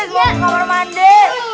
mau ke kamar mandi